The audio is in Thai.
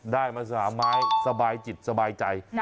ได้มา๓ไม้สบายจิตสบายใจ